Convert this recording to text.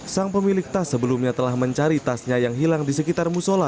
sang pemilik tas sebelumnya telah mencari tasnya yang hilang di sekitar musola